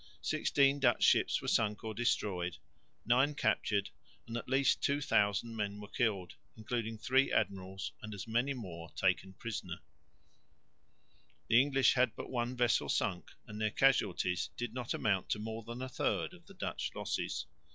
Sixteen Dutch ships were sunk or destroyed, nine captured, and at least 2000 men were killed, including three admirals, and as many more taken prisoners. The English had but one vessel sunk, and their casualties did not amount to more than a third of the Dutch losses.